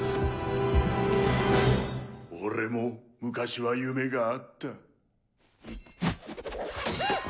俺も昔は夢があった。